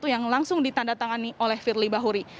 yang langsung ditandatangani oleh firly bahuri